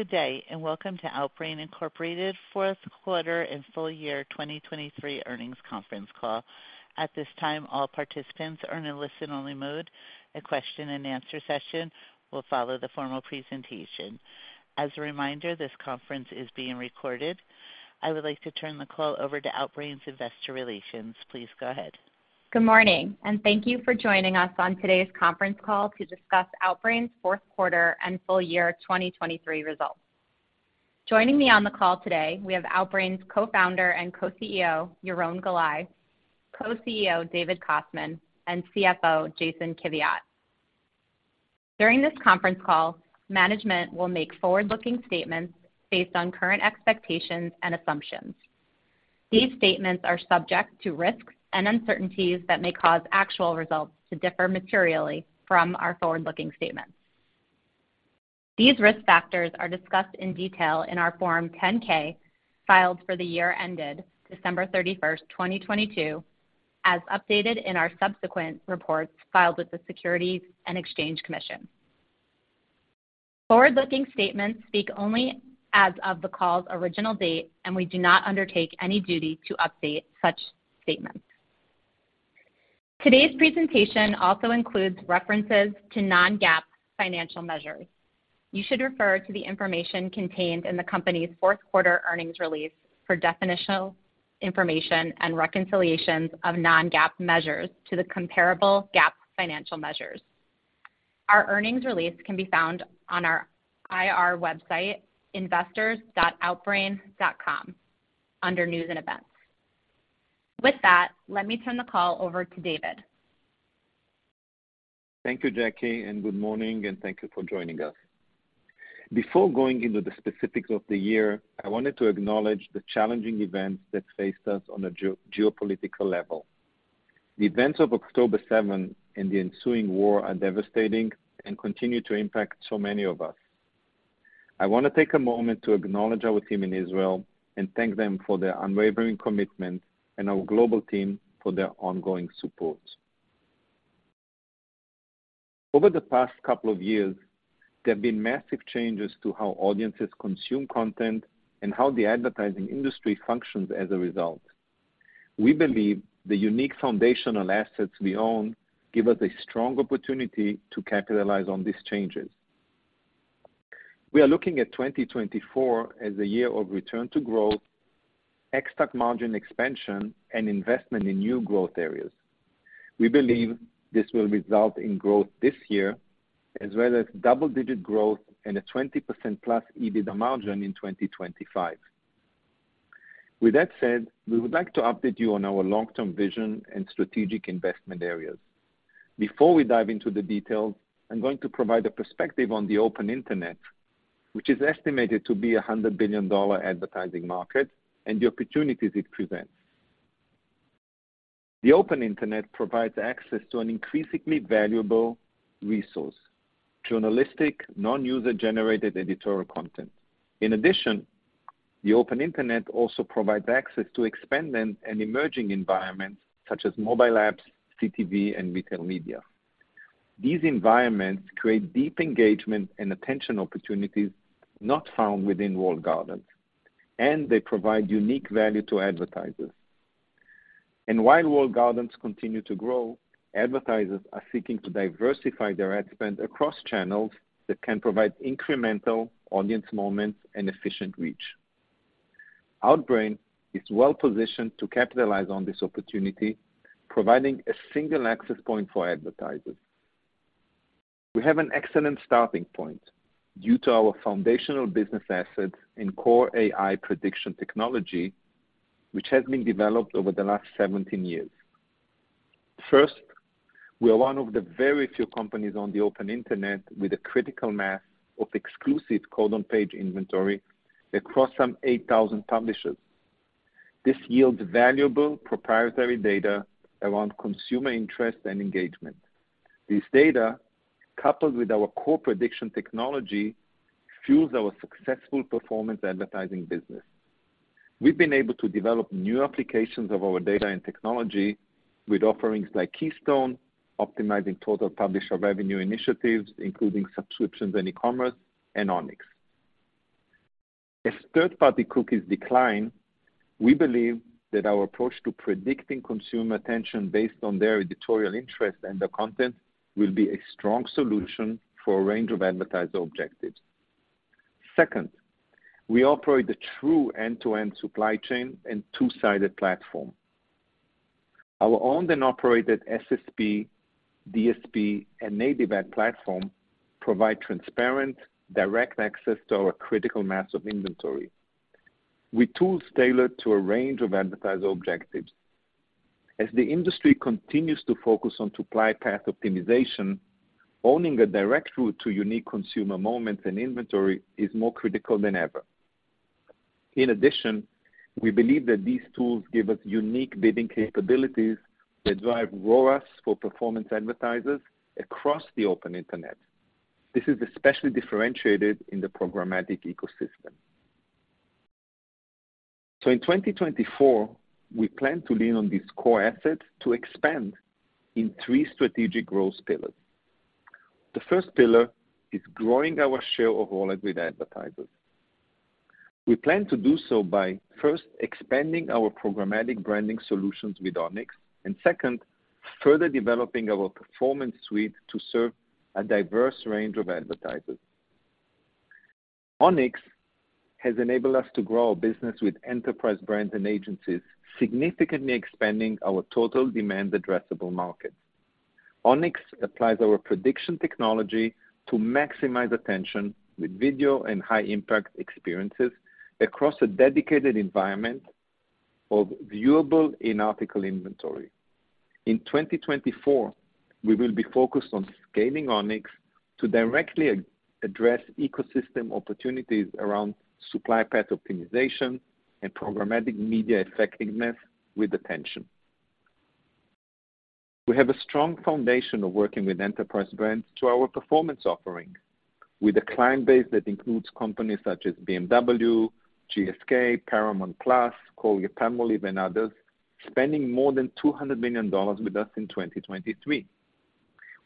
Good day and welcome to Outbrain Incorporated's fourth quarter and full-year 2023 earnings conference call. At this time, all participants are in a listen-only mode. A question-and-answer session will follow the formal presentation. As a reminder, this conference is being recorded. I would like to turn the call over to Outbrain's investor relations. Please go ahead. Good morning, and thank you for joining us on today's conference call to discuss Outbrain's fourth quarter and full-year 2023 results. Joining me on the call today, we have Outbrain's co-founder and co-CEO Yaron Galai, co-CEO David Kostman, and CFO Jason Kiviat. During this conference call, management will make forward-looking statements based on current expectations and assumptions. These statements are subject to risks and uncertainties that may cause actual results to differ materially from our forward-looking statements. These risk factors are discussed in detail in our Form 10-K filed for the year ended December 31st, 2022, as updated in our subsequent reports filed with the Securities and Exchange Commission. Forward-looking statements speak only as of the call's original date, and we do not undertake any duty to update such statements. Today's presentation also includes references to non-GAAP financial measures. You should refer to the information contained in the company's fourth quarter earnings release for definitional information and reconciliations of non-GAAP measures to the comparable GAAP financial measures. Our earnings release can be found on our IR website, investors.outbrain.com, under News and Events. With that, let me turn the call over to David. Thank you, Jackie, and good morning, and thank you for joining us. Before going into the specifics of the year, I wanted to acknowledge the challenging events that faced us on a geopolitical level. The events of October 7th and the ensuing war are devastating and continue to impact so many of us. I want to take a moment to acknowledge our team in Israel and thank them for their unwavering commitment, and our global team for their ongoing support. Over the past couple of years, there have been massive changes to how audiences consume content and how the advertising industry functions as a result. We believe the unique foundational assets we own give us a strong opportunity to capitalize on these changes. We are looking at 2024 as a year of return to growth, ex-TAC margin expansion, and investment in new growth areas. We believe this will result in growth this year, as well as double-digit growth and a 20%+ EBITDA margin in 2025. With that said, we would like to update you on our long-term vision and strategic investment areas. Before we dive into the details, I'm going to provide a perspective on the Open Internet, which is estimated to be a $100 billion advertising market and the opportunities it presents. The Open Internet provides access to an increasingly valuable resource: journalistic, non-user-generated editorial content. In addition, the Open Internet also provides access to expanded and emerging environments such as mobile apps, CTV, and retail media. These environments create deep engagement and attention opportunities not found within walled gardens, and they provide unique value to advertisers. And while walled gardens continue to grow, advertisers are seeking to diversify their ad spend across channels that can provide incremental audience moments and efficient reach. Outbrain is well positioned to capitalize on this opportunity, providing a single access point for advertisers. We have an excellent starting point due to our foundational business assets in core AI prediction technology, which has been developed over the last 17 years. First, we are one of the very few companies on the Open Internet with a critical mass of exclusive code-on-page inventory across some 8,000 publishers. This yields valuable proprietary data around consumer interest and engagement. This data, coupled with our core prediction technology, fuels our successful performance advertising business. We've been able to develop new applications of our data and technology with offerings like Keystone, optimizing total publisher revenue initiatives, including subscriptions and e-commerce, and Onyx. As third-party cookies decline, we believe that our approach to predicting consumer attention based on their editorial interests and their content will be a strong solution for a range of advertiser objectives. Second, we operate a true end-to-end supply chain and two-sided platform. Our owned and operated SSP, DSP, and native ad platform provide transparent, direct access to our critical mass of inventory. We're tools tailored to a range of advertiser objectives. As the industry continues to focus on supply path optimization, owning a direct route to unique consumer moments and inventory is more critical than ever. In addition, we believe that these tools give us unique bidding capabilities that drive ROAS for performance advertisers across the Open Internet. This is especially differentiated in the programmatic ecosystem. So in 2024, we plan to lean on these core assets to expand in three strategic growth pillars. The first pillar is growing our share of wallet with advertisers. We plan to do so by first expanding our programmatic branding solutions with Onyx, and second, further developing our performance suite to serve a diverse range of advertisers. Onyx has enabled us to grow our business with enterprise brands and agencies, significantly expanding our total demand addressable markets. Onyx applies our prediction technology to maximize attention with video and high-impact experiences across a dedicated environment of viewable in-article inventory. In 2024, we will be focused on scaling Onyx to directly address ecosystem opportunities around supply path optimization and programmatic media effectiveness with attention. We have a strong foundation of working with enterprise brands to our performance offerings, with a client base that includes companies such as BMW, GSK, Paramount+, Colgate-Palmolive, and others, spending more than $200 million with us in 2023.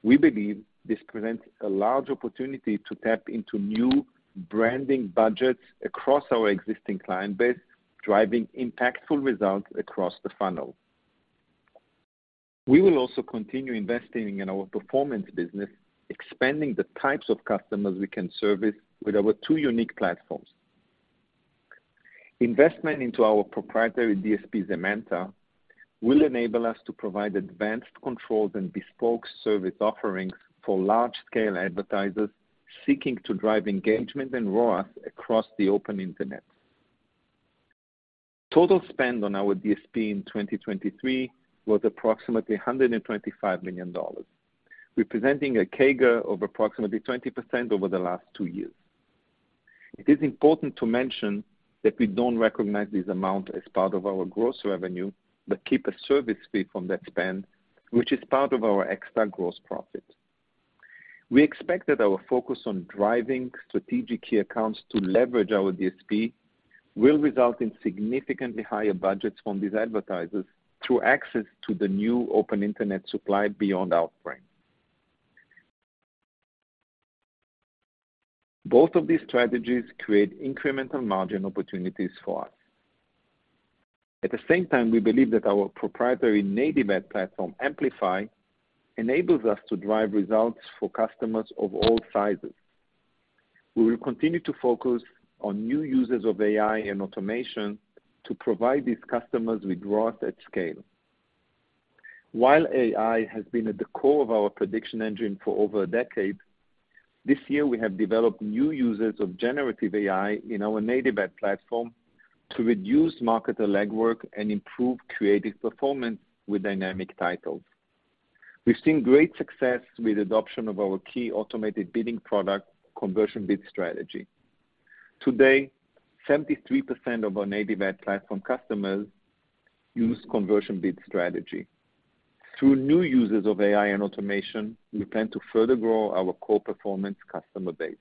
We believe this presents a large opportunity to tap into new branding budgets across our existing client base, driving impactful results across the funnel. We will also continue investing in our performance business, expanding the types of customers we can service with our two unique platforms. Investment into our proprietary DSP Zemanta will enable us to provide advanced controls and bespoke service offerings for large-scale advertisers seeking to drive engagement and ROAS across the Open Internet. Total spend on our DSP in 2023 was approximately $125 million, representing a CAGR of approximately 20% over the last two years. It is important to mention that we don't recognize this amount as part of our gross revenue but keep a service fee from that spend, which is part of our ex-TAC gross profit. We expect that our focus on driving strategic key accounts to leverage our DSP will result in significantly higher budgets from these advertisers through access to the new Open Internet supply beyond Outbrain. Both of these strategies create incremental margin opportunities for us. At the same time, we believe that our proprietary native ad platform, Amplify, enables us to drive results for customers of all sizes. We will continue to focus on new users of AI and automation to provide these customers with ROAS at scale. While AI has been at the core of our prediction engine for over a decade, this year we have developed new users of generative AI in our native ad platform to reduce marketer legwork and improve creative performance with dynamic titles. We've seen great success with the adoption of our key automated bidding product, Conversion Bid Strategy. Today, 73% of our native ad platform customers use Conversion Bid Strategy. Through new uses of AI and automation, we plan to further grow our core performance customer base.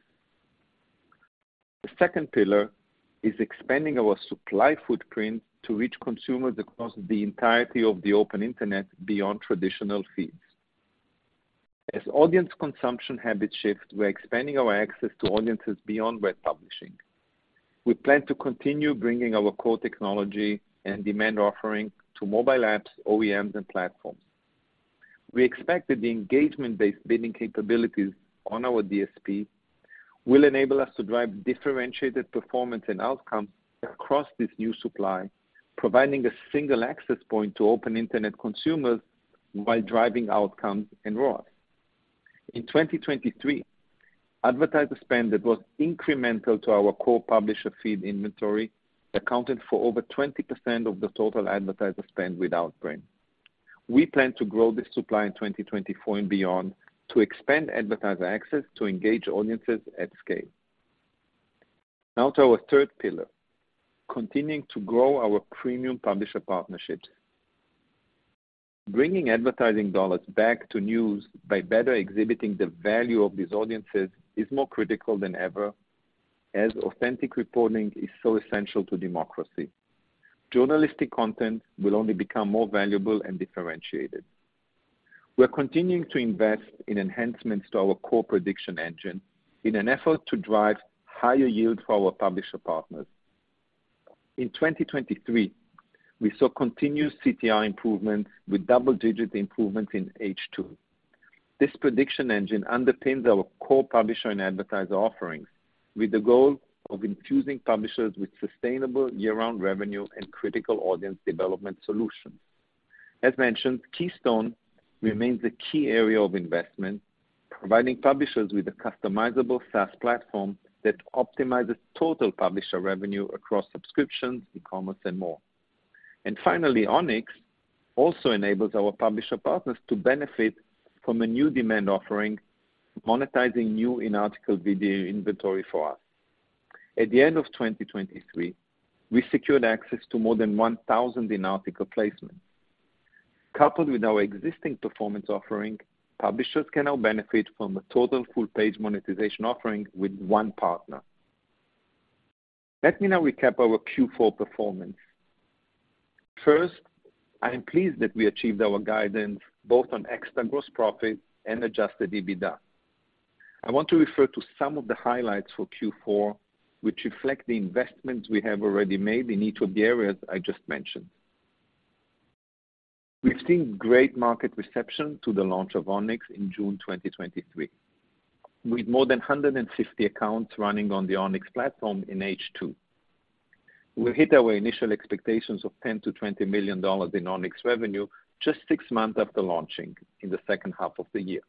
The second pillar is expanding our supply footprint to reach consumers across the entirety of the Open Internet beyond traditional feeds. As audience consumption habits shift, we're expanding our access to audiences beyond web publishing. We plan to continue bringing our core technology and demand offering to mobile apps, OEMs, and platforms. We expect that the engagement-based bidding capabilities on our DSP will enable us to drive differentiated performance and outcomes across this new supply, providing a single access point to Open Internet consumers while driving outcomes and ROAS. In 2023, advertiser spend that was incremental to our core publisher feed inventory accounted for over 20% of the total advertiser spend with Outbrain. We plan to grow this supply in 2024 and beyond to expand advertiser access to engage audiences at scale. Now to our third pillar: continuing to grow our premium publisher partnerships. Bringing advertising dollars back to news by better exhibiting the value of these audiences is more critical than ever, as authentic reporting is so essential to democracy. Journalistic content will only become more valuable and differentiated. We're continuing to invest in enhancements to our core prediction engine in an effort to drive higher yield for our publisher partners. In 2023, we saw continuous CTR improvements with double-digit improvements in H2. This prediction engine underpins our core publisher and advertiser offerings with the goal of infusing publishers with sustainable year-round revenue and critical audience development solutions. As mentioned, Keystone remains a key area of investment, providing publishers with a customizable SaaS platform that optimizes total publisher revenue across subscriptions, e-commerce, and more. And finally, Onyx also enables our publisher partners to benefit from a new demand offering, monetizing new in-article video inventory for us. At the end of 2023, we secured access to more than 1,000 in-article placements. Coupled with our existing performance offering, publishers can now benefit from a total full-page monetization offering with one partner. Let me now recap our Q4 performance. First, I am pleased that we achieved our guidance both on ex-TAC gross profit and adjusted EBITDA. I want to refer to some of the highlights for Q4, which reflect the investments we have already made in each of the areas I just mentioned. We've seen great market reception to the launch of Onyx in June 2023, with more than 150 accounts running on the Onyx platform in H2. We hit our initial expectations of $10-$20 million in Onyx revenue just six months after launching in the second half of the year.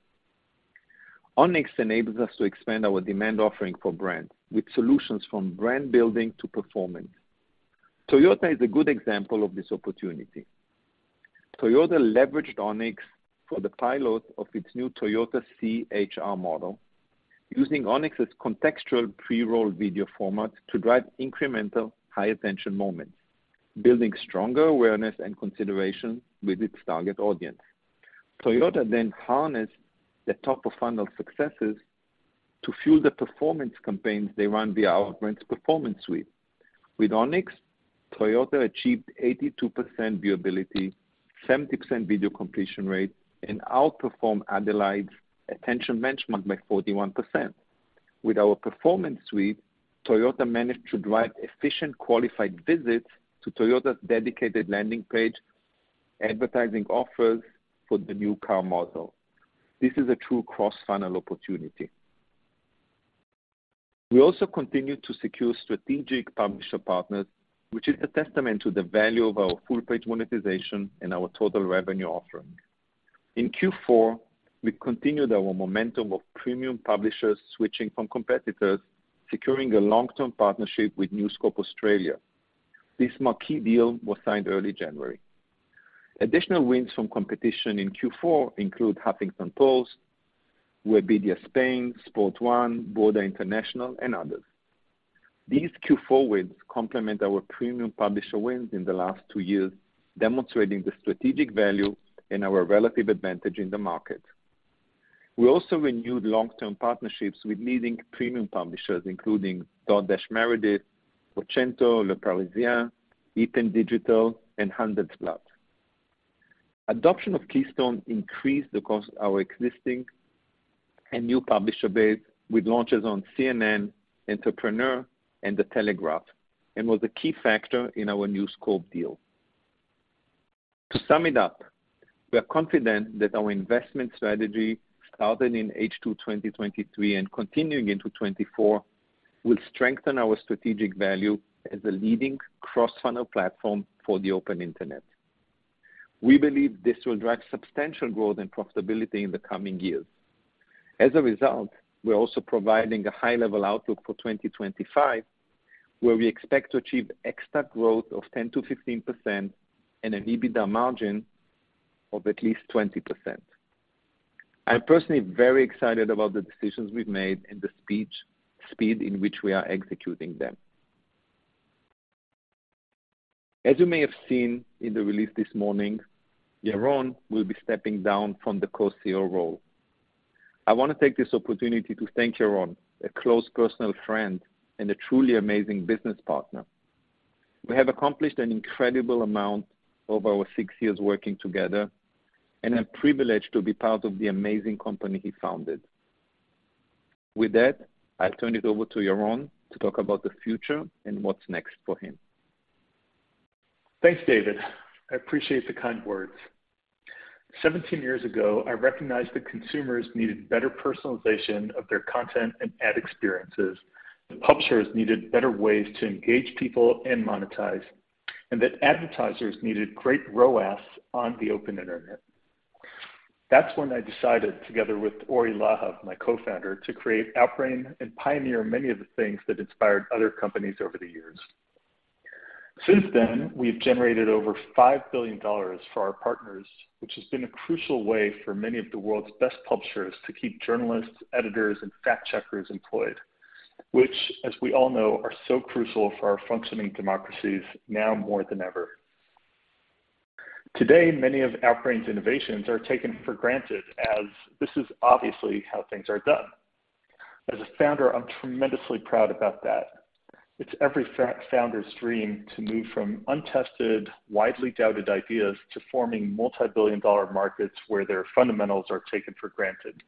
Onyx enables us to expand our demand offering for brands with solutions from brand building to performance. Toyota is a good example of this opportunity. Toyota leveraged Onyx for the pilot of its new Toyota C-HR model, using Onyx's contextual pre-roll video format to drive incremental high-attention moments, building stronger awareness and consideration with its target audience. Toyota then harnessed the top-of-funnel successes to fuel the performance campaigns they run via Outbrain's performance suite. With Onyx, Toyota achieved 82% viewability, 70% video completion rate, and outperformed Adelaide's attention benchmark by 41%. With our performance suite, Toyota managed to drive efficient qualified visits to Toyota's dedicated landing page, advertising offers for the new car model. This is a true cross-funnel opportunity. We also continue to secure strategic publisher partners, which is a testament to the value of our full-page monetization and our total revenue offering. In Q4, we continued our momentum of premium publishers switching from competitors, securing a long-term partnership with News Corp Australia. This marquee deal was signed early January. Additional wins from competition in Q4 include Huffington Post, Webedia Spain, Sport1, Bauer International, and others. These Q4 wins complement our premium publisher wins in the last two years, demonstrating the strategic value and our relative advantage in the market. We also renewed long-term partnerships with leading premium publishers, including Dotdash Meredith, Vocento, Le Parisien, Ippen Digital, and Handelsblatt. Adoption of Keystone increased the cost of our existing and new publisher base with launches on CNN, Entrepreneur, and The Telegraph, and was a key factor in our News Corp deal. To sum it up, we are confident that our investment strategy, started in H2 2023 and continuing into 2024, will strengthen our strategic value as a leading cross-funnel platform for the Open Internet. We believe this will drive substantial growth and profitability in the coming years. As a result, we're also providing a high-level outlook for 2025, where we expect to achieve ex-TAC growth of 10%-15% and an EBITDA margin of at least 20%. I am personally very excited about the decisions we've made and the speed in which we are executing them. As you may have seen in the release this morning, Yaron will be stepping down from the co-CEO role. I want to take this opportunity to thank Yaron, a close personal friend and a truly amazing business partner. We have accomplished an incredible amount over our six years working together, and I'm privileged to be part of the amazing company he founded. With that, I'll turn it over to Yaron to talk about the future and what's next for him. Thanks, David. I appreciate the kind words. 17 years ago, I recognized that consumers needed better personalization of their content and ad experiences, that publishers needed better ways to engage people and monetize, and that advertisers needed great ROAS on the Open Internet. That's when I decided, together with Ori Lahav, my co-founder, to create Outbrain and pioneer many of the things that inspired other companies over the years. Since then, we've generated over $5 billion for our partners, which has been a crucial way for many of the world's best publishers to keep journalists, editors, and fact-checkers employed, which, as we all know, are so crucial for our functioning democracies now more than ever. Today, many of Outbrain's innovations are taken for granted, as this is obviously how things are done. As a founder, I'm tremendously proud about that. It's every founder's dream to move from untested, widely doubted ideas to forming multi-billion-dollar markets where their fundamentals are taken for granted.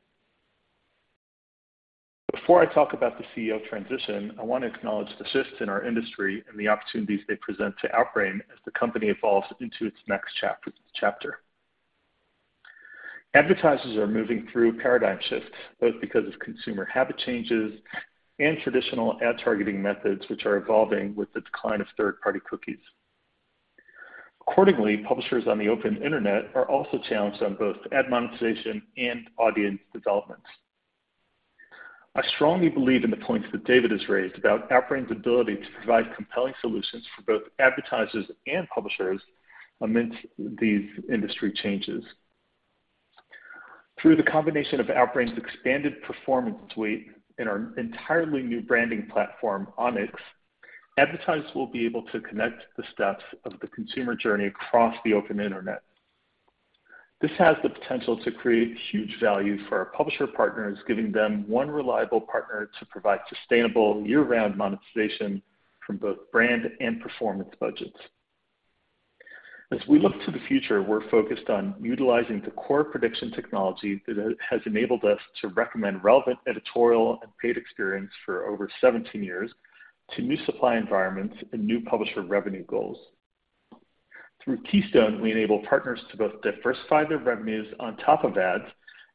Before I talk about the CEO transition, I want to acknowledge the shifts in our industry and the opportunities they present to Outbrain as the company evolves into its next chapter. Advertisers are moving through paradigm shifts, both because of consumer habit changes and traditional ad targeting methods, which are evolving with the decline of third-party cookies. Accordingly, publishers on the Open Internet are also challenged on both ad monetization and audience development. I strongly believe in the points that David has raised about Outbrain's ability to provide compelling solutions for both advertisers and publishers amidst these industry changes. Through the combination of Outbrain's expanded performance suite and our entirely new branding platform, Onyx, advertisers will be able to connect the steps of the consumer journey across the Open Internet. This has the potential to create huge value for our publisher partners, giving them one reliable partner to provide sustainable year-round monetization from both brand and performance budgets. As we look to the future, we're focused on utilizing the core prediction technology that has enabled us to recommend relevant editorial and paid experience for over 17 years to new supply environments and new publisher revenue goals. Through Keystone, we enable partners to both diversify their revenues on top of ads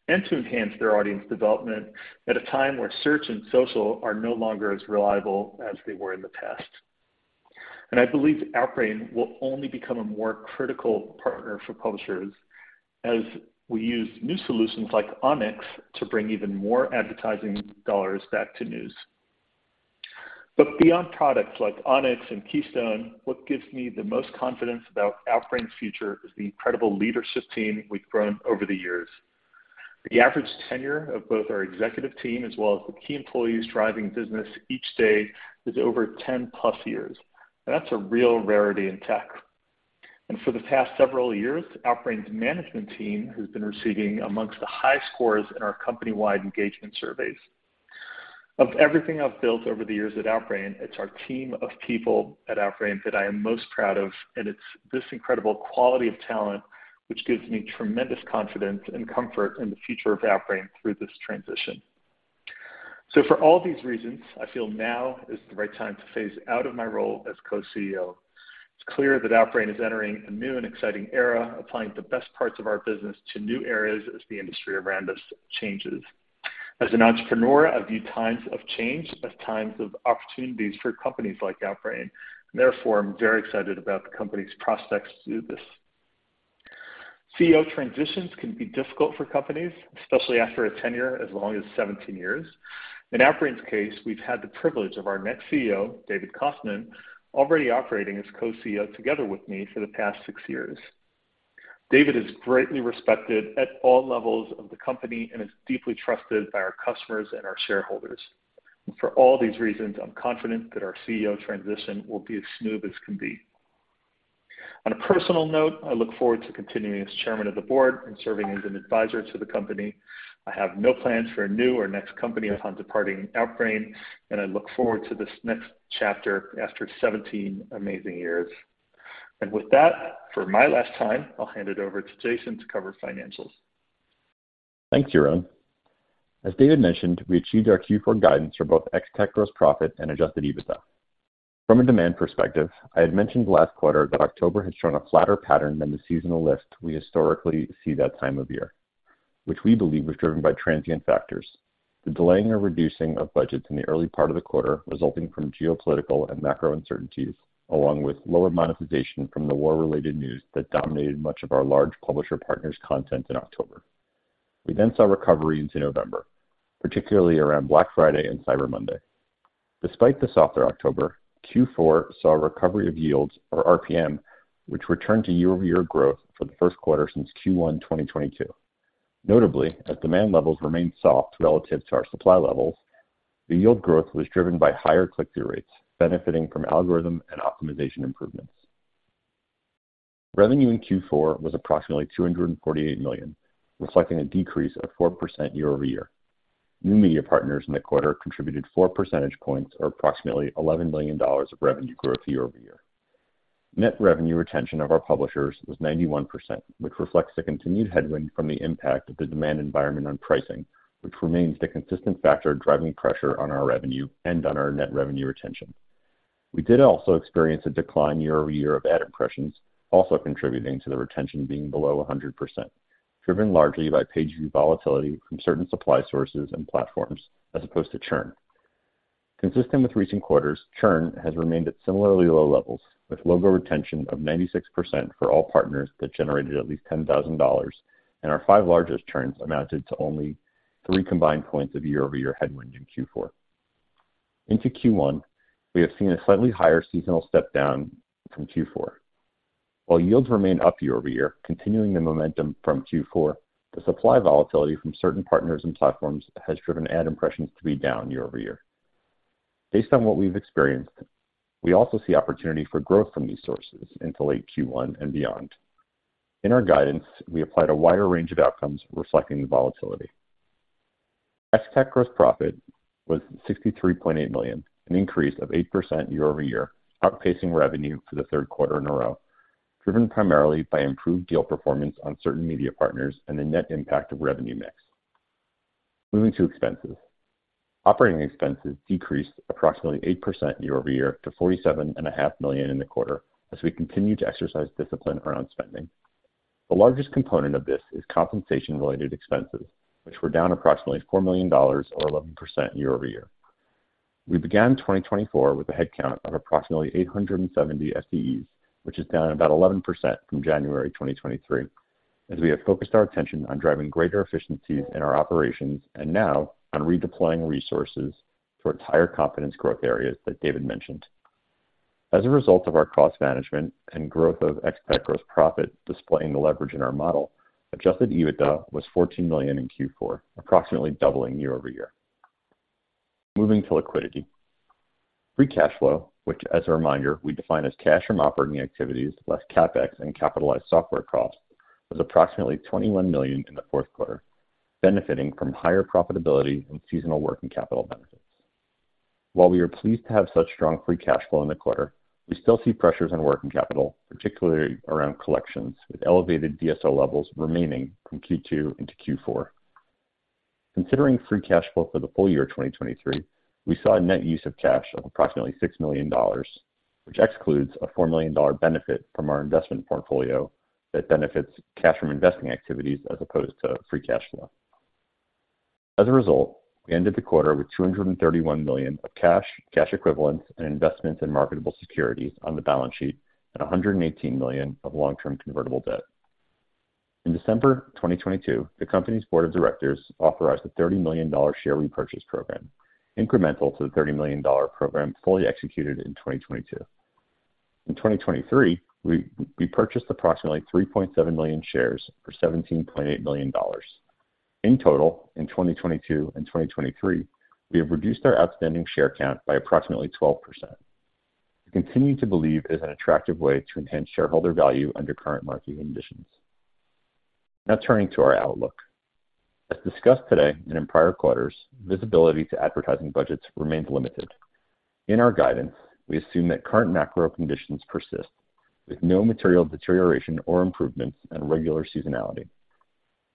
and to enhance their audience development at a time where search and social are no longer as reliable as they were in the past. I believe Outbrain will only become a more critical partner for publishers as we use new solutions like Onyx to bring even more advertising dollars back to news. Beyond products like Onyx and Keystone, what gives me the most confidence about Outbrain's future is the incredible leadership team we've grown over the years. The average tenure of both our executive team as well as the key employees driving business each day is over 10+ years, and that's a real rarity in tech. For the past several years, Outbrain's management team has been receiving among the high scores in our company-wide engagement surveys. Of everything I've built over the years at Outbrain, it's our team of people at Outbrain that I am most proud of, and it's this incredible quality of talent which gives me tremendous confidence and comfort in the future of Outbrain through this transition. So for all these reasons, I feel now is the right time to phase out of my role as co-CEO. It's clear that Outbrain is entering a new and exciting era, applying the best parts of our business to new areas as the industry around us changes. As an entrepreneur, I view times of change as times of opportunities for companies like Outbrain, and therefore, I'm very excited about the company's prospects to do this. CEO transitions can be difficult for companies, especially after a tenure as long as 17 years. In Outbrain's case, we've had the privilege of our next CEO, David Kostman, already operating as co-CEO together with me for the past six years. David is greatly respected at all levels of the company and is deeply trusted by our customers and our shareholders. For all these reasons, I'm confident that our CEO transition will be as smooth as can be. On a personal note, I look forward to continuing as chairman of the board and serving as an advisor to the company. I have no plans for a new or next company upon departing Outbrain, and I look forward to this next chapter after 17 amazing years. With that, for my last time, I'll hand it over to Jason to cover financials. Thanks, Yaron. As David mentioned, we achieved our Q4 guidance for both ex-TAC gross profit and adjusted EBITDA. From a demand perspective, I had mentioned last quarter that October had shown a flatter pattern than the seasonal lift we historically see that time of year, which we believe was driven by transient factors: the delaying or reducing of budgets in the early part of the quarter resulting from geopolitical and macro uncertainties, along with lower monetization from the war-related news that dominated much of our large publisher partners' content in October. We then saw recovery into November, particularly around Black Friday and Cyber Monday. Despite the softer October, Q4 saw a recovery of yields, or RPM, which returned to year-over-year growth for the first quarter since Q1 2022. Notably, as demand levels remained soft relative to our supply levels, the yield growth was driven by higher click-through rates, benefiting from algorithm and optimization improvements. Revenue in Q4 was approximately $248 million, reflecting a decrease of 4% year-over-year. New media partners in the quarter contributed 4 percentage points, or approximately $11 million of revenue growth year-over-year. Net revenue retention of our publishers was 91%, which reflects a continued headwind from the impact of the demand environment on pricing, which remains the consistent factor driving pressure on our revenue and on our net revenue retention. We did also experience a decline year-over-year of ad impressions, also contributing to the retention being below 100%, driven largely by page-view volatility from certain supply sources and platforms as opposed to churn. Consistent with recent quarters, churn has remained at similarly low levels, with logo retention of 96% for all partners that generated at least $10,000, and our five largest churns amounted to only three combined points of year-over-year headwind in Q4. Into Q1, we have seen a slightly higher seasonal step down from Q4. While yields remain up year-over-year, continuing the momentum from Q4, the supply volatility from certain partners and platforms has driven ad impressions to be down year-over-year. Based on what we've experienced, we also see opportunity for growth from these sources into late Q1 and beyond. In our guidance, we applied a wider range of outcomes reflecting the volatility. Ex-TAC gross profit was $63.8 million, an increase of 8% year-over-year, outpacing revenue for the third quarter in a row, driven primarily by improved deal performance on certain media partners and the net impact of revenue mix. Moving to expenses. Operating expenses decreased approximately 8% year-over-year to $47.5 million in the quarter as we continue to exercise discipline around spending. The largest component of this is compensation-related expenses, which were down approximately $4 million or 11% year-over-year. We began 2024 with a headcount of approximately 870 FTEs, which is down about 11% from January 2023, as we have focused our attention on driving greater efficiencies in our operations and now on redeploying resources to our tiered confidence growth areas that David mentioned. As a result of our cost management and growth of ex-TAC gross profit displaying the leverage in our model, adjusted EBITDA was $14 million in Q4, approximately doubling year-over-year. Moving to liquidity. Free cash flow, which, as a reminder, we define as cash from operating activities less CapEx and capitalized software costs, was approximately $21 million in the fourth quarter, benefiting from higher profitability and seasonal working capital benefits. While we are pleased to have such strong free cash flow in the quarter, we still see pressures on working capital, particularly around collections, with elevated DSO levels remaining from Q2 into Q4. Considering free cash flow for the full-year 2023, we saw a net use of cash of approximately $6 million, which excludes a $4 million benefit from our investment portfolio that benefits cash from investing activities as opposed to free cash flow. As a result, we ended the quarter with $231 million of cash, cash equivalents, and investments in marketable securities on the balance sheet, and $118 million of long-term convertible debt. In December 2022, the company's board of directors authorized a $30 million share repurchase program, incremental to the $30 million program fully executed in 2022. In 2023, we purchased approximately 3.7 million shares for $17.8 million. In total, in 2022 and 2023, we have reduced our outstanding share count by approximately 12%. We continue to believe it is an attractive way to enhance shareholder value under current marketing conditions. Now turning to our outlook. As discussed today and in prior quarters, visibility to advertising budgets remains limited. In our guidance, we assume that current macro conditions persist, with no material deterioration or improvements and regular seasonality.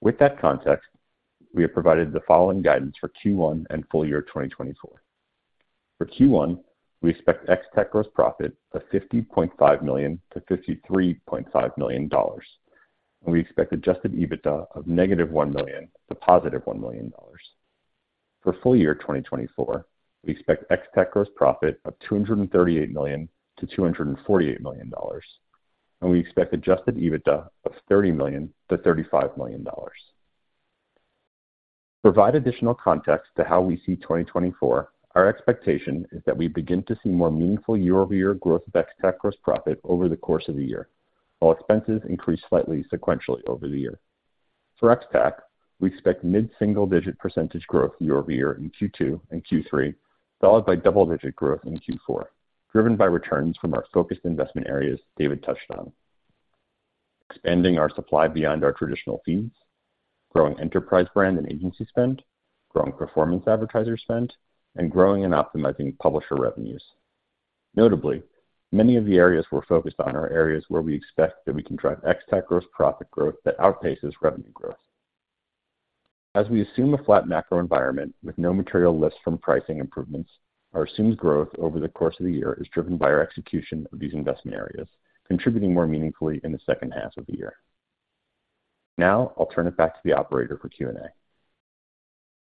With that context, we have provided the following guidance for Q1 and full-year 2024. For Q1, we expect ex-TAC gross profit of $50.5 million-$53.5 million, and we expect adjusted EBITDA of -$1 million to +$1 million. For full-year 2024, we expect ex-TAC gross profit of $238 million-$248 million, and we expect adjusted EBITDA of $30 million-$35 million. To provide additional context to how we see 2024, our expectation is that we begin to see more meaningful year-over-year growth of ex-TAC gross profit over the course of the year, while expenses increase slightly sequentially over the year. For ex-TAC, we expect mid-single-digit percentage growth year-over-year in Q2 and Q3, followed by double-digit growth in Q4, driven by returns from our focused investment areas David touched on: expanding our supply beyond our traditional feeds, growing enterprise brand and agency spend, growing performance advertiser spend, and growing and optimizing publisher revenues. Notably, many of the areas we're focused on are areas where we expect that we can drive ex-TAC gross profit growth that outpaces revenue growth. As we assume a flat macro environment with no material lifts from pricing improvements, our assumed growth over the course of the year is driven by our execution of these investment areas, contributing more meaningfully in the second half of the year. Now I'll turn it back to the operator for Q&A.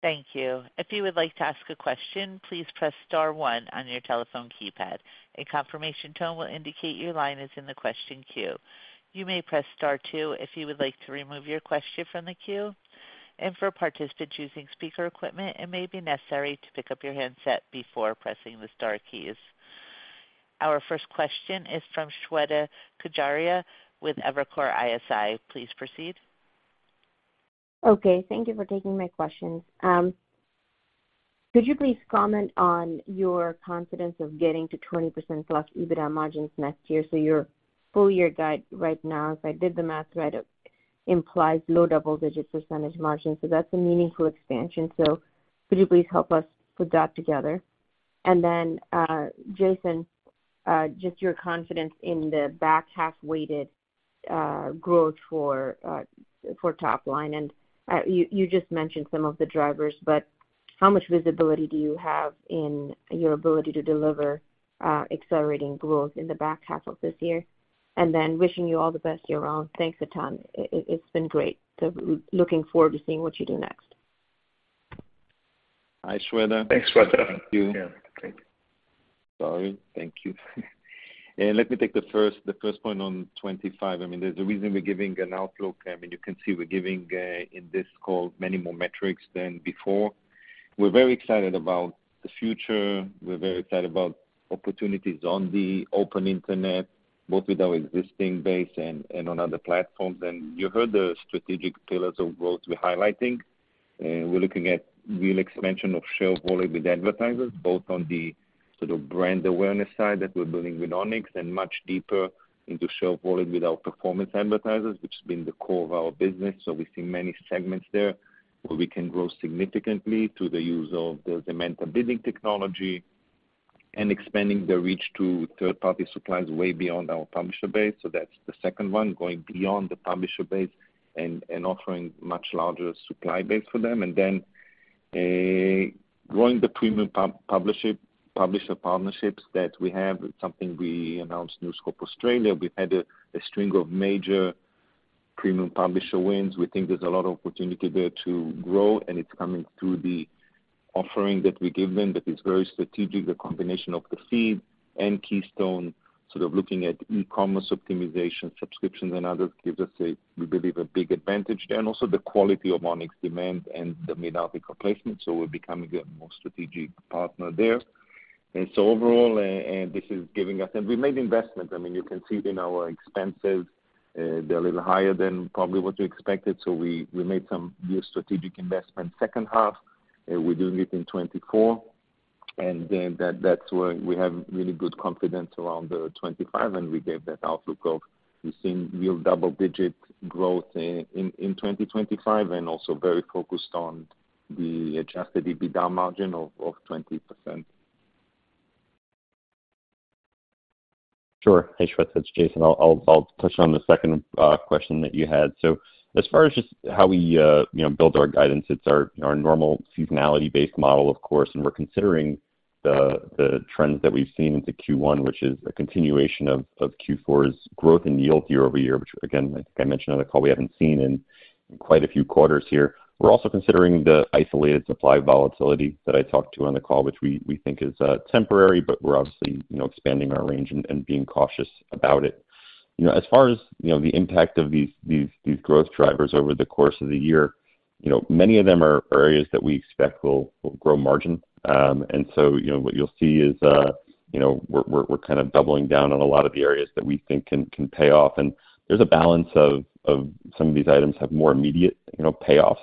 Thank you. If you would like to ask a question, please press star one on your telephone keypad. A confirmation tone will indicate your line is in the question queue. You may press star two if you would like to remove your question from the queue. For participants using speaker equipment, it may be necessary to pick up your handset before pressing the star keys. Our first question is from Shweta Khajuria with Evercore ISI. Please proceed. Okay. Thank you for taking my questions. Could you please comment on your confidence of getting to 20%+ EBITDA margins next year? So your full-year guide right now, if I did the math right, implies low double-digit percentage margins. So that's a meaningful expansion. So could you please help us put that together? And then, Jason, just your confidence in the back-half-weighted growth for top line. And you just mentioned some of the drivers, but how much visibility do you have in your ability to deliver accelerating growth in the back half of this year? And then wishing you all the best year-round. Thanks a ton. It's been great. So looking forward to seeing what you do next. Hi, Shweta. Thanks, Shweta. Thank you. Yeah. Thank you. Sorry. Thank you. Let me take the first point on 2025. I mean, there's a reason we're giving an outlook. I mean, you can see we're giving, in this call, many more metrics than before. We're very excited about the future. We're very excited about opportunities on the Open Internet, both with our existing base and on other platforms. You heard the strategic pillars of growth we're highlighting. We're looking at real expansion of share of volume with advertisers, both on the sort of brand awareness side that we're building with Onyx and much deeper into share of volume with our performance advertisers, which has been the core of our business. So we see many segments there where we can grow significantly through the use of the Zemanta bidding technology and expanding the reach to third-party suppliers way beyond our publisher base. So that's the second one, going beyond the publisher base and offering much larger supply base for them. And then, growing the premium publisher partnerships that we have. It's something we announced, News Corp Australia. We've had a string of major premium publisher wins. We think there's a lot of opportunity there to grow, and it's coming through the offering that we give them that is very strategic, the combination of the feed and Keystone, sort of looking at e-commerce optimization, subscriptions, and others gives us, we believe, a big advantage there. And also the quality of Onyx demand and the mid-article placement. So we're becoming a more strategic partner there. And so overall, this is giving us, and we made investments. I mean, you can see it in our expenses. They're a little higher than probably what you expected. So we made some real strategic investments second half. We're doing it in 2024. That's where we have really good confidence around the 2025. We gave that outlook of we've seen real double-digit growth in 2025 and also very focused on the adjusted EBITDA margin of 20%. Sure. Hi, Shweta. It's Jason. I'll touch on the second question that you had. So as far as just how we, you know, build our guidance, it's our normal seasonality-based model, of course. And we're considering the trends that we've seen into Q1, which is a continuation of Q4's growth and yield year-over-year, which, again, I think I mentioned on the call, we haven't seen in quite a few quarters here. We're also considering the isolated supply volatility that I talked to on the call, which we think is temporary, but we're obviously, you know, expanding our range and being cautious about it. You know, as far as the impact of these growth drivers over the course of the year, you know, many of them are areas that we expect will grow margin. And so, you know, what you'll see is, you know, we're kind of doubling down on a lot of the areas that we think can pay off. And there's a balance of some of these items have more immediate, you know, payoffs,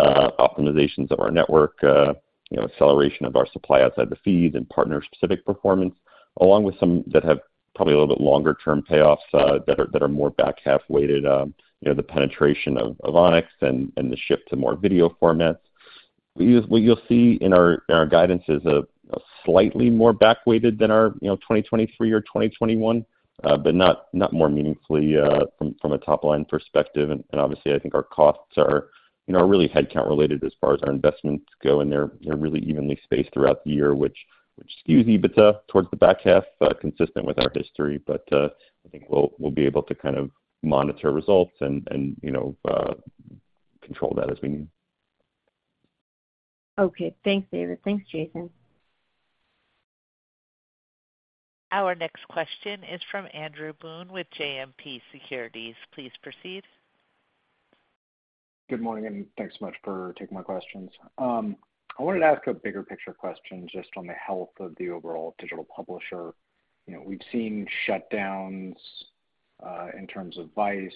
optimizations of our network, you know, acceleration of our supply outside the feeds and partner-specific performance, along with some that have probably a little bit longer-term payoffs, that are more back-half-weighted, you know, the penetration of Onyx and the shift to more video formats. What you'll see in our guidance is a slightly more back-weighted than our, you know, 2023 or 2021, but not more meaningfully, from a top-line perspective. And obviously, I think our costs are, you know, really headcount-related as far as our investments go. They're really evenly spaced throughout the year, which skews EBITDA towards the back half, consistent with our history. I think we'll be able to kind of monitor results and, you know, control that as we need. Okay. Thanks, David. Thanks, Jason. Our next question is from Andrew Boone with JMP Securities. Please proceed. Good morning. Thanks so much for taking my questions. I wanted to ask a bigger-picture question just on the health of the overall digital publisher. You know, we've seen shutdowns, in terms of VICE.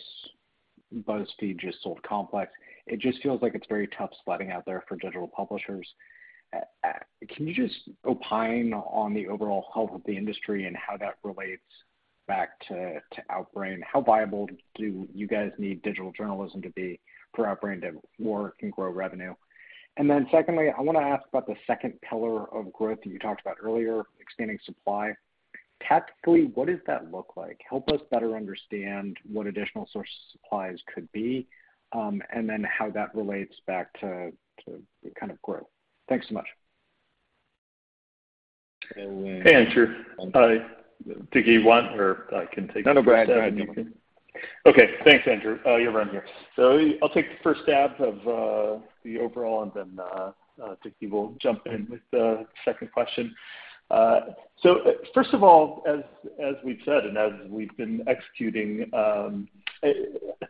BuzzFeed just sold Complex. It just feels like it's very tough sledding out there for digital publishers. Can you just opine on the overall health of the industry and how that relates back to Outbrain? How viable do you guys need digital journalism to be for Outbrain to work and grow revenue? And then secondly, I want to ask about the second pillar of growth that you talked about earlier, expanding supply. Tactically, what does that look like? Help us better understand what additional sources of supplies could be, and then how that relates back to kind of growth. Thanks so much. So, Hey, Andrew. Hi. Do you want or I can take the second one? No, no. Go ahead. Go ahead. You can. Okay. Thanks, Andrew. You're right here. So I'll take the first stab at the overall, and then David will jump in with the second question. So, first of all, as we've said and as we've been executing, I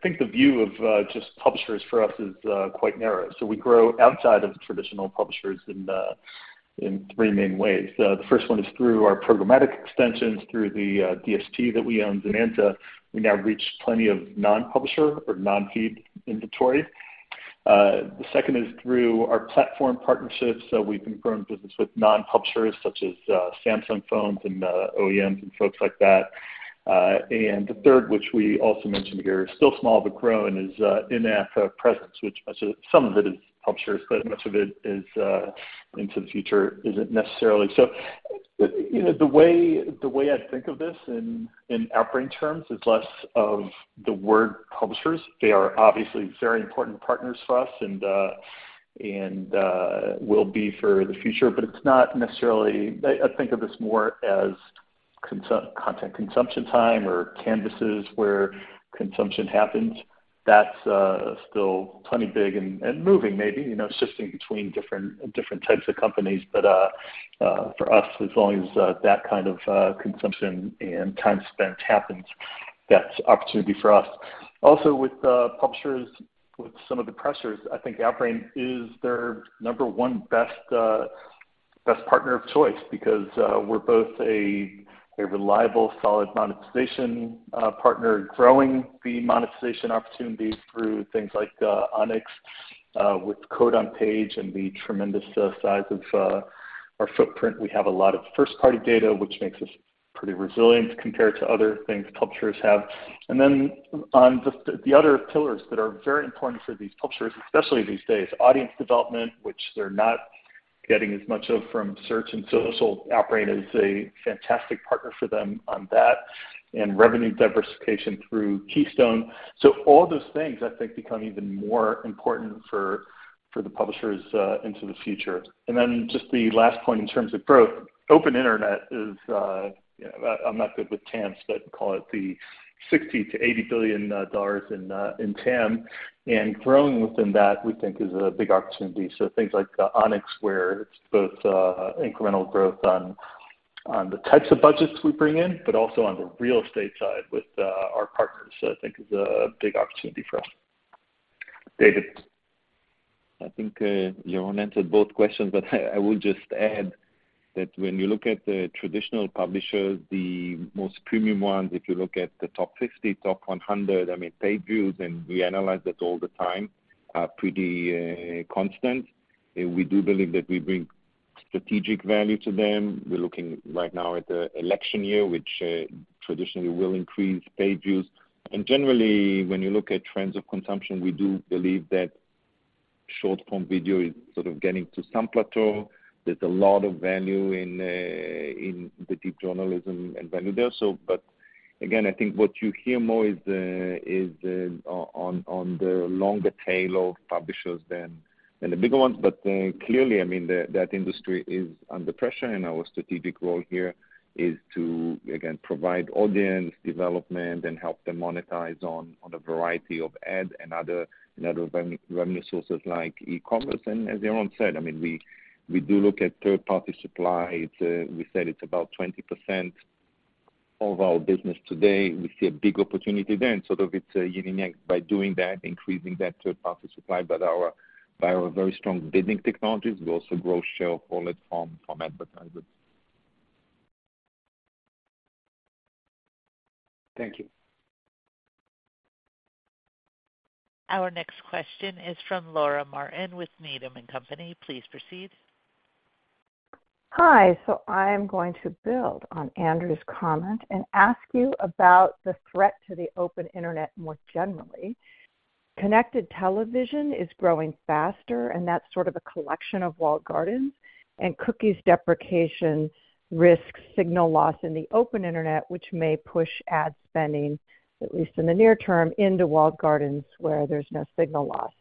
think the view of just publishers for us is quite narrow. So we grow outside of traditional publishers in three main ways. The first one is through our programmatic extensions, through the DSP that we own, Zemanta. We now reach plenty of non-publisher or non-feed inventory. The second is through our platform partnerships. So we've been growing business with non-publishers such as Samsung phones and OEMs and folks like that. And the third, which we also mentioned here, is still small but growing: in-app presence, which much of some of it is publishers, but much of it, into the future, isn't necessarily. So, you know, the way I think of this in Outbrain terms is less of the word publishers. They are obviously very important partners for us and will be for the future. But it's not necessarily. I think of this more as content consumption time or canvases where consumption happens. That's still plenty big and moving maybe, you know, shifting between different types of companies. But for us, as long as that kind of consumption and time spent happens, that's opportunity for us. Also, with publishers, with some of the pressures, I think Outbrain is their number one best partner of choice because we're both a reliable, solid monetization partner, growing the monetization opportunity through things like Onyx, with code-on-page and the tremendous size of our footprint. We have a lot of first-party data, which makes us pretty resilient compared to other things publishers have. And then on just the other pillars that are very important for these publishers, especially these days, audience development, which they're not getting as much of from search and social. Outbrain is a fantastic partner for them on that, and revenue diversification through Keystone. So all those things, I think, become even more important for the publishers into the future. Then just the last point in terms of growth, Open Internet is, you know, I'm not good with TAMs, but call it the $60 billion-$80 billion in TAM. Growing within that, we think, is a big opportunity. Things like Onyx, where it's both incremental growth on the types of budgets we bring in but also on the real estate side with our partners, I think, is a big opportunity for us. David. I think, you already answered both questions. But I will just add that when you look at the traditional publishers, the most premium ones, if you look at the top 50, top 100, I mean, page views - and we analyze that all the time - are pretty constant. And we do believe that we bring strategic value to them. We're looking right now at a election year, which, traditionally will increase page views. And generally, when you look at trends of consumption, we do believe that short-form video is sort of getting to some plateau. There's a lot of value in the deep journalism and value there. So but again, I think what you hear more is on the longer tail of publishers than the bigger ones. But clearly, I mean, that industry is under pressure. Our strategic role here is to, again, provide audience development and help them monetize on, on a variety of ad and other and other revenue sources like e-commerce. As Yaron said, I mean, we, we do look at third-party supply. It's, we said, it's about 20% of our business today. We see a big opportunity there. Sort of it's a yin and yang by doing that, increasing that third-party supply by our by our very strong bidding technologies. We also grow share of volume from, from advertisers. Thank you. Our next question is from Laura Martin with Needham & Company. Please proceed. Hi. So I am going to build on Andrew's comment and ask you about the threat to the Open Internet more generally. Connected television is growing faster, and that's sort of a collection of walled gardens. Cookies deprecation risks signal loss in the Open Internet, which may push ad spending, at least in the near term, into walled gardens where there's no signal loss.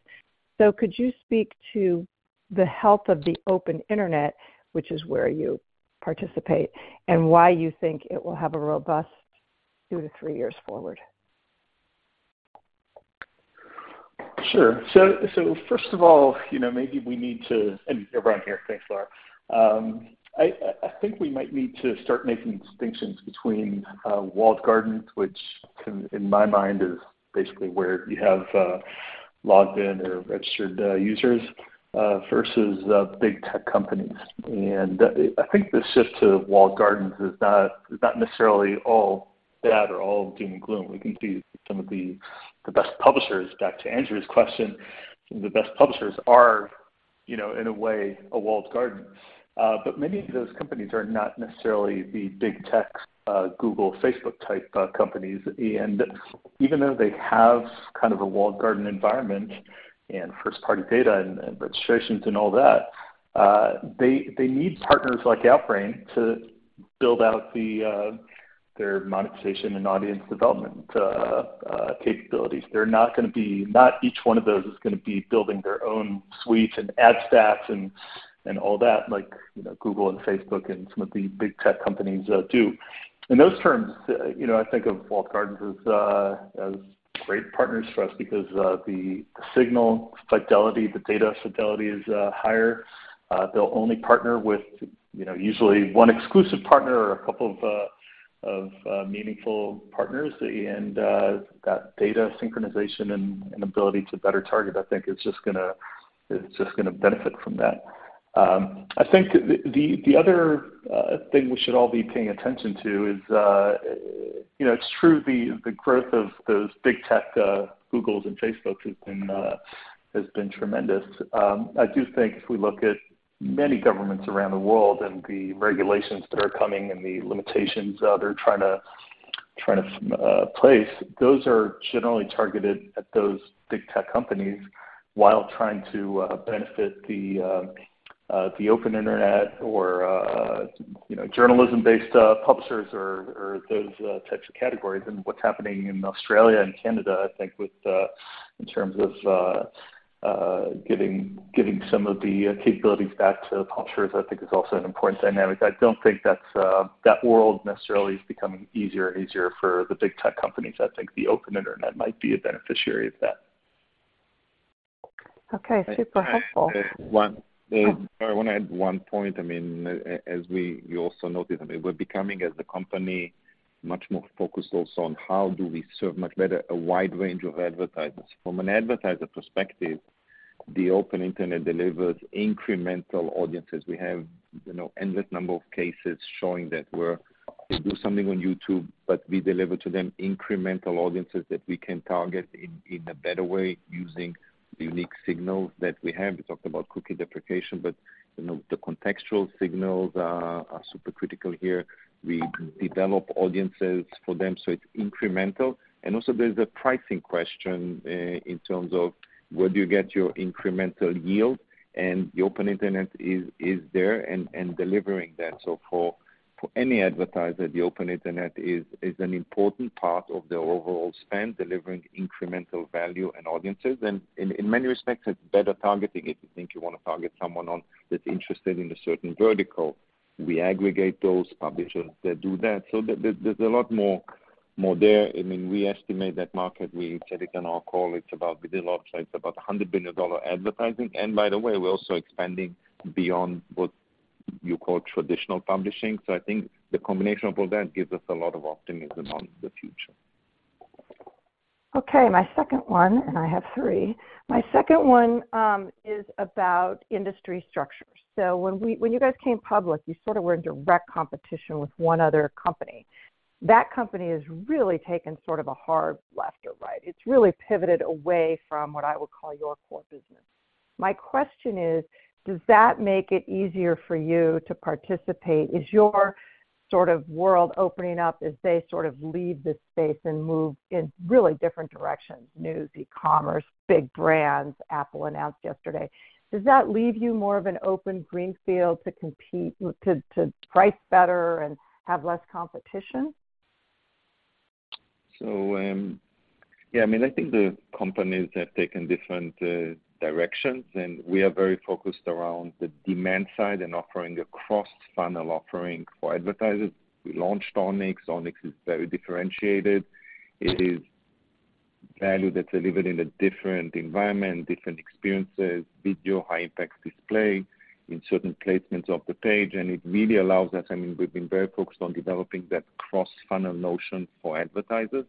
So could you speak to the health of the Open Internet, which is where you participate, and why you think it will have a robust two to three years forward? Sure. So first of all, you know, maybe we need to, and you're right here. Thanks, Laura. I think we might need to start making distinctions between walled gardens, which, in my mind, is basically where you have logged-in or registered users, versus big tech companies. And I think the shift to walled gardens is not necessarily all bad or all doom and gloom. We can see some of the best publishers back to Andrew's question. The best publishers are, you know, in a way, a walled garden. But many of those companies are not necessarily the big tech, Google, Facebook-type companies. And even though they have kind of a walled garden environment and first-party data and registrations and all that, they need partners like Outbrain to build out their monetization and audience development capabilities. They're not gonna be, each one of those is gonna be building their own suite and ad stacks and all that like, you know, Google and Facebook and some of the big tech companies do. In those terms, you know, I think of walled gardens as great partners for us because the signal fidelity, the data fidelity is higher. They'll only partner with, you know, usually one exclusive partner or a couple of meaningful partners. And that data synchronization and ability to better target, I think, is just gonna benefit from that. I think the other thing we should all be paying attention to is, you know, it's true. The growth of those big tech Google and Facebook has been tremendous. I do think if we look at many governments around the world and the regulations that are coming and the limitations they're trying to put in place, those are generally targeted at those big tech companies while trying to benefit the Open Internet or, you know, journalism-based publishers or those types of categories. What's happening in Australia and Canada, I think, in terms of giving some of the capabilities back to publishers, I think, is also an important dynamic. I don't think that world necessarily is becoming easier and easier for the big tech companies. I think the Open Internet might be a beneficiary of that. Okay. Super helpful. Oh, sorry. I want to add one point. I mean, as we, you also noticed, I mean, we're becoming, as a company, much more focused also on how do we serve much better a wide range of advertisers. From an advertiser perspective, the Open Internet delivers incremental audiences. We have, you know, endless number of cases showing that we do something on YouTube, but we deliver to them incremental audiences that we can target in a better way using the unique signals that we have. We talked about cookie deprecation. But, you know, the contextual signals are super critical here. We develop audiences for them. So it's incremental. And also, there's a pricing question, in terms of where do you get your incremental yield? And the Open Internet is there and delivering that. So for any advertiser, the Open Internet is an important part of their overall spend, delivering incremental value and audiences. And in many respects, it's better targeting it. You think you wanna target someone on that's interested in a certain vertical. We aggregate those publishers that do that. So there's a lot more there. I mean, we estimate that market. We said it in our call. It's about within a lot of times, about $100 billion advertising. And by the way, we're also expanding beyond what you call traditional publishing. So I think the combination of all that gives us a lot of optimism on the future. Okay. My second one and I have three. My second one is about industry structures. So when you guys came public, you sort of were in direct competition with one other company. That company has really taken sort of a hard left or right. It's really pivoted away from what I would call your core business. My question is, does that make it easier for you to participate? Is your sort of world opening up as they sort of leave this space and move in really different directions? News, e-commerce, big brands. Apple announced yesterday. Does that leave you more of an open greenfield to compete to, to price better and have less competition? So, yeah. I mean, I think the companies have taken different directions. We are very focused around the demand side and offering a cross-funnel offering for advertisers. We launched Onyx. Onyx is very differentiated. It is value that's delivered in a different environment, different experiences, video, high-impact display in certain placements of the page. And it really allows us. I mean, we've been very focused on developing that cross-funnel notion for advertisers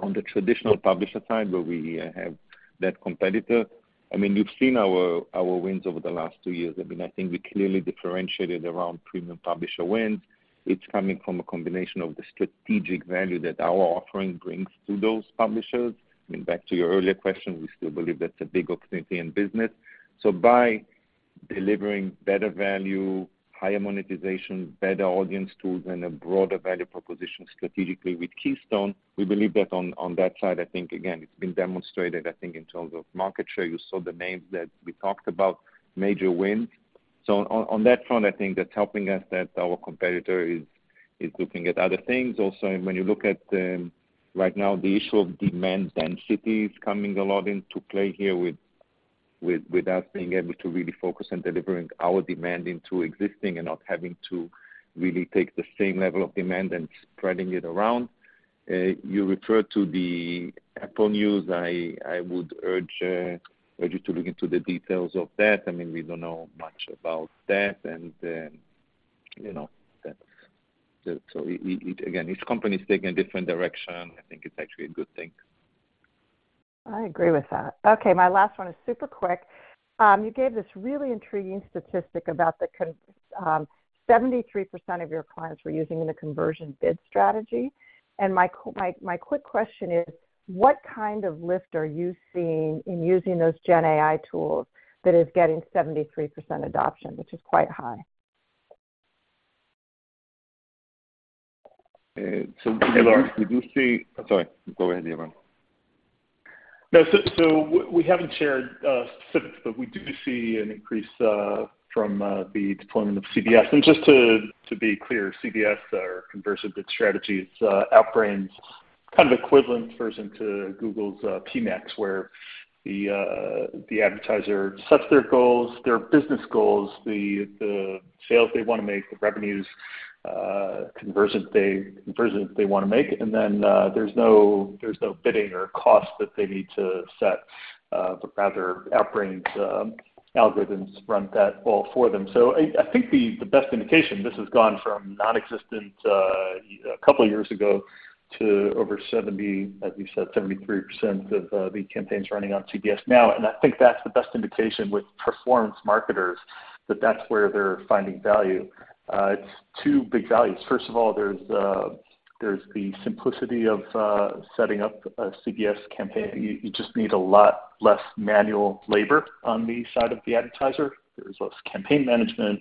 on the traditional publisher side where we have that competitor. I mean, you've seen our wins over the last two years. I mean, I think we clearly differentiated around premium publisher wins. It's coming from a combination of the strategic value that our offering brings to those publishers. I mean, back to your earlier question, we still believe that's a big opportunity in business. By delivering better value, higher monetization, better audience tools, and a broader value proposition strategically with Keystone, we believe that on that side, I think, again, it's been demonstrated, I think, in terms of market share. You saw the names that we talked about, major wins. On that front, I think that's helping us that our competitor is looking at other things. Also, when you look at, right now, the issue of demand density is coming a lot into play here with us being able to really focus on delivering our demand into existing and not having to really take the same level of demand and spreading it around. You referred to Apple News. I would urge you to look into the details of that. I mean, we don't know much about that. You know, that's the so it again, each company's taking a different direction. I think it's actually a good thing. I agree with that. Okay. My last one is super quick. You gave this really intriguing statistic about the 73% of your clients were using the Conversion Bid Strategy. My, my, my quick question is, what kind of lift are you seeing in using those GenAI tools that is getting 73% adoption, which is quite high? So, Laura, we do see. I'm sorry. Go ahead, Yaron. No. So we haven't shared specifics. But we do see an increase from the deployment of CBS. And just to be clear, CBS, our Conversion Bid Strategy, Outbrain's kind of equivalent version to Google's PMax, where the advertiser sets their goals, their business goals, the sales they wanna make, the revenues, conversions they wanna make. And then, there's no bidding or cost that they need to set, but rather, Outbrain's algorithms run that all for them. So I think the best indication this has gone from nonexistent a couple of years ago to over 70, as you said, 73% of the campaigns running on CBS now. And I think that's the best indication with performance marketers that that's where they're finding value. It's two big values. First of all, there's the simplicity of setting up a CBS campaign. You just need a lot less manual labor on the side of the advertiser. There's less campaign management,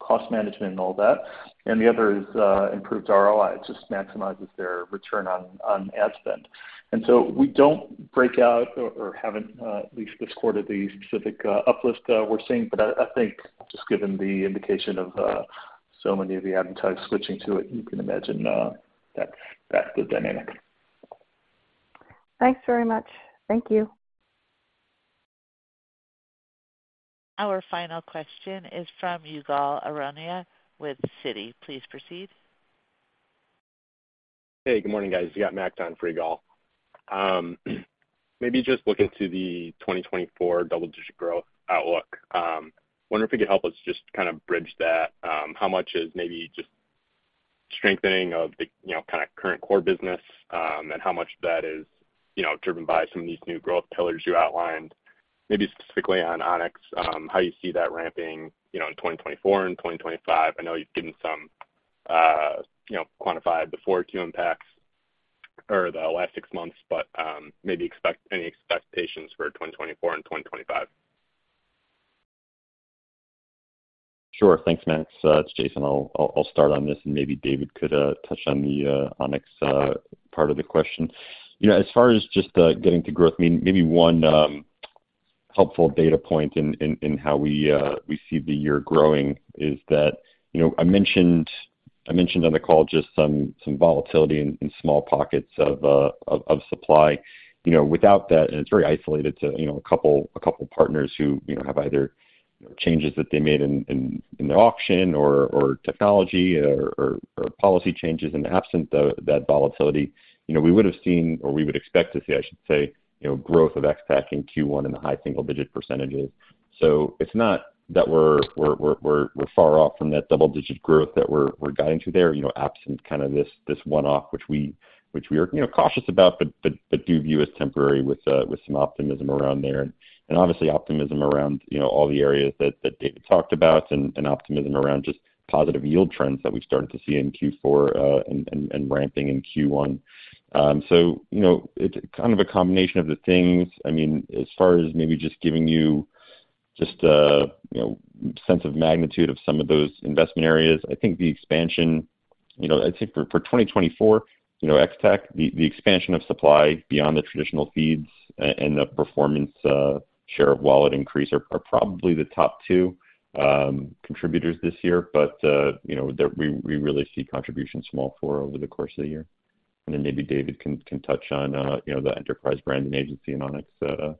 cost management, and all that. And the other is improved ROI. It just maximizes their return on ad spend. And so we don't break out or haven't, at least this quarter, the specific uplift we're seeing. But I think just given the indication of so many of the advertisers switching to it, you can imagine that's the dynamic. Thanks very much. Thank you. Our final question is from Ygal Arounian with Citi. Please proceed. Hey. Good morning, guys. You got Max on for Ygal. Maybe just looking to the 2024 double-digit growth outlook, wonder if you could help us just kind of bridge that. How much is maybe just strengthening of the, you know, kind of current core business, and how much of that is, you know, driven by some of these new growth pillars you outlined? Maybe specifically on Onyx, how you see that ramping, you know, in 2024 and 2025. I know you've given some, you know, quantified the 4Q impacts or the last six months. But, maybe expect any expectations for 2024 and 2025. Sure. Thanks, Max. It's Jason. I'll start on this. And maybe David could touch on the Onyx part of the question. You know, as far as just getting to growth, maybe one helpful data point in how we see the year growing is that, you know, I mentioned on the call just some volatility in small pockets of supply. You know, without that and it's very isolated to a couple partners who, you know, have either changes that they made in their auction or technology or policy changes and absent that volatility, you know, we would have seen or we would expect to see, I should say, you know, growth of Ex-TAC in Q1 and the high single-digit percentages. So it's not that we're far off from that double-digit growth that we're guiding to there, you know, absent kind of this one-off, which we are, you know, cautious about but do view as temporary with some optimism around there. And obviously, optimism around, you know, all the areas that David talked about and optimism around just positive yield trends that we've started to see in Q4, and ramping in Q1. So, you know, it's kind of a combination of the things. I mean, as far as maybe just giving you just a, you know, sense of magnitude of some of those investment areas, I think the expansion you know, I think for, for 2024, you know, Ex-TAC, the, the expansion of supply beyond the traditional feeds and the performance, share of wallet increase are, are probably the top two, contributors this year. But, you know, there we really see contributions small for over the course of the year. And then maybe David can touch on, you know, the enterprise brand and agency in Onyx, expectations.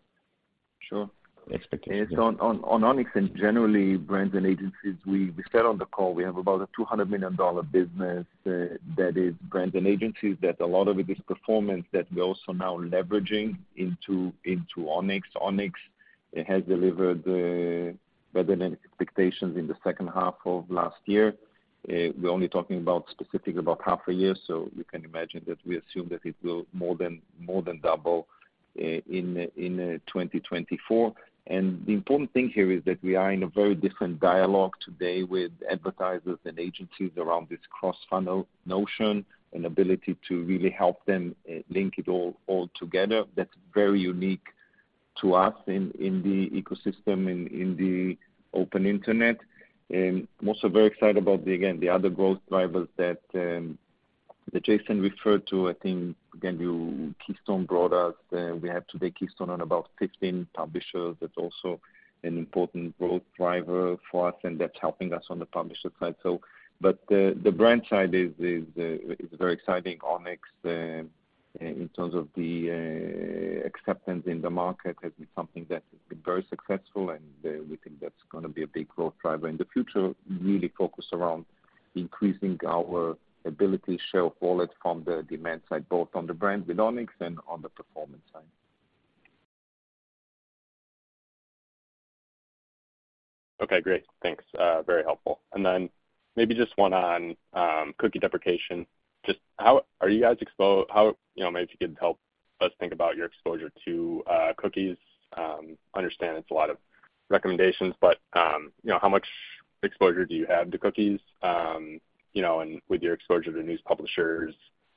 Sure. It's on Onyx and generally, brands and agencies, we said on the call, we have about a $200 million business, that is brands and agencies that a lot of it is performance that we're also now leveraging into Onyx. Onyx has delivered better than expectations in the second half of last year. We're only talking about specifically about half a year. So you can imagine that we assume that it will more than double in 2024. And the important thing here is that we are in a very different dialogue today with advertisers and agencies around this cross-funnel notion and ability to really help them link it all together. That's very unique to us in the ecosystem in the Open Internet. Also very excited about again, the other growth drivers that Jason referred to. I think, again, you Keystone brought us. We have today Keystone on about 15 publishers. That's also an important growth driver for us. And that's helping us on the publisher side. But the brand side is very exciting. Onyx, in terms of the acceptance in the market, has been something that has been very successful. And we think that's gonna be a big growth driver in the future, really focused around increasing our ability share of wallet from the demand side, both on the brand with Onyx and on the performance side. Okay. Great. Thanks. Very helpful. And then maybe just one on cookie deprecation. Just how are you guys exposed, you know, maybe if you could help us think about your exposure to cookies. I understand it's a lot of recommendations. But, you know, how much exposure do you have to cookies, you know, and with your exposure to news publishers?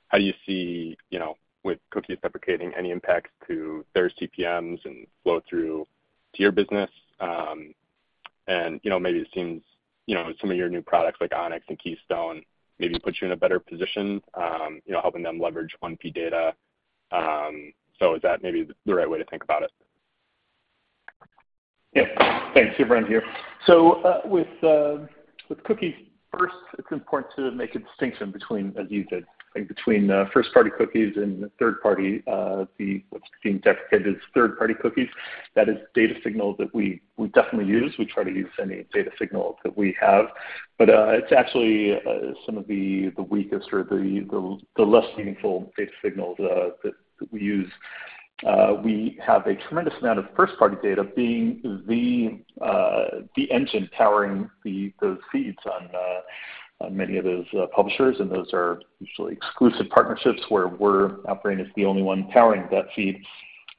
How do you see, you know, with cookies deprecating, any impacts to their CPMs and flow through to your business? And, you know, maybe it seems, you know, some of your new products like Onyx and Keystone maybe put you in a better position, you know, helping them leverage 1P data. So is that maybe the right way to think about it? Yeah. Thanks. Yaron here. So, with cookies first, it's important to make a distinction between, as you said, I think, first-party cookies and third-party, what's being deprecated as third-party cookies. That is data signal that we definitely use. We try to use any data signal that we have. But it's actually some of the weakest or the less meaningful data signals that we use. We have a tremendous amount of first-party data being the engine powering those feeds on many of those publishers. And those are usually exclusive partnerships where Outbrain is the only one powering that feed.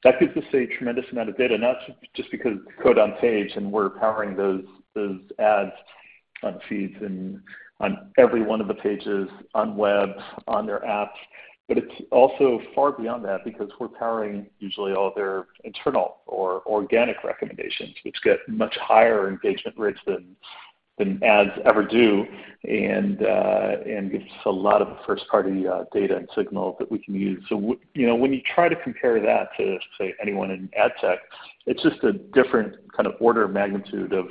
That gives us a tremendous amount of data, not just because the code-on-page. And we're powering those ads on feeds and on every one of the pages, on web, on their apps. But it's also far beyond that because we're powering usually all their internal or organic recommendations, which get much higher engagement rates than ads ever do. And gives us a lot of the first-party data and signals that we can use. So, you know, when you try to compare that to, say, anyone in ad tech, it's just a different kind of order of magnitude of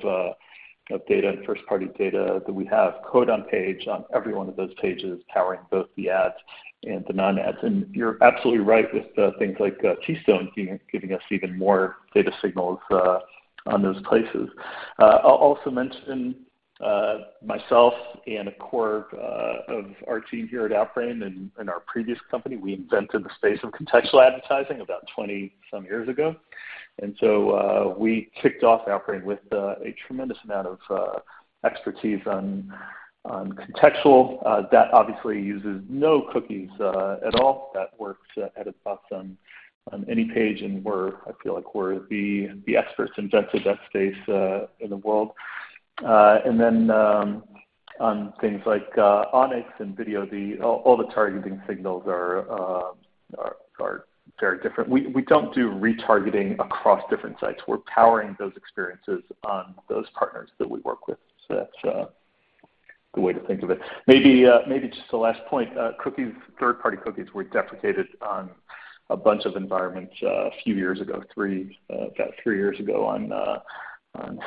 data and first-party data that we have. Code-on-page on every one of those pages, powering both the ads and the non-ads. And you're absolutely right with things like Keystone giving us even more data signals on those places. I'll also mention myself and a core of our team here at Outbrain and our previous company. We invented the space of contextual advertising about 20-some years ago. And so, we kicked off Outbrain with a tremendous amount of expertise on contextual that obviously uses no cookies at all. That works at its best on any page. And we're. I feel like we're the experts invented that space in the world. And then, on things like Onyx and video, all the targeting signals are very different. We don't do retargeting across different sites. We're powering those experiences on those partners that we work with. So that's the way to think of it. Maybe just the last point. Third-party cookies were deprecated on a bunch of environments a few years ago, about three years ago on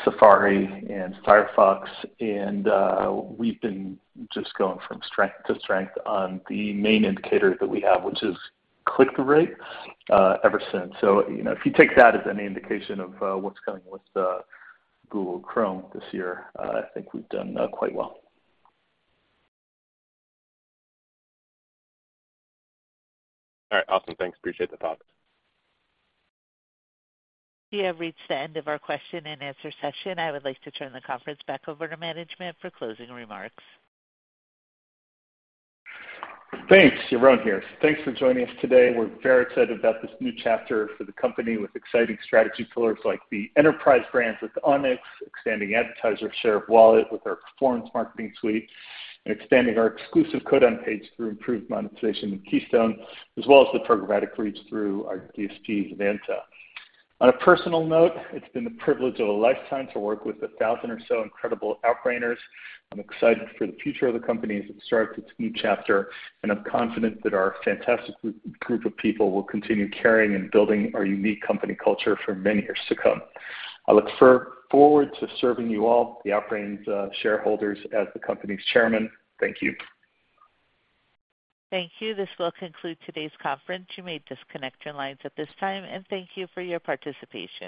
Safari and Firefox. And we've been just going from strength to strength on the main indicator that we have, which is click-through rate, ever since. So, you know, if you take that as any indication of what's coming with Google Chrome this year, I think we've done quite well. All right. Awesome. Thanks. Appreciate the thoughts. We have reached the end of our question-and-answer session. I would like to turn the conference back over to management for closing remarks. Thanks, Yaron here. Thanks for joining us today. We're very excited about this new chapter for the company with exciting strategy pillars like the enterprise brands with Onyx, expanding advertiser share of wallet with our performance marketing suite, and expanding our exclusive code-on-page through improved monetization with Keystone, as well as the programmatic reach through our DSP, Zemanta. On a personal note, it's been the privilege of a lifetime to work with 1,000 or so incredible Outbrainers. I'm excited for the future of the company as it starts its new chapter. I'm confident that our fantastic group, group of people will continue carrying and building our unique company culture for many years to come. I look forward to serving you all, Outbrain's shareholders, as the company's chairman. Thank you. Thank you. This will conclude today's conference. You may disconnect your lines at this time. Thank you for your participation.